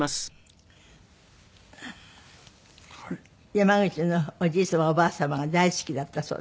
山口のおじい様おばあ様が大好きだったそうですけども。